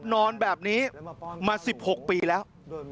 นอนแบบนี้มา๑๖ปีแล้ว